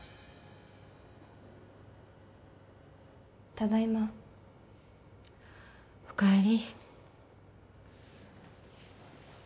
ただいまおかえり